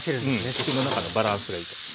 口の中のバランスがいいと。